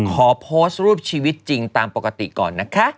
ขอโพสต์รูปชีวิตจริงตามปกติก่อนนะคะ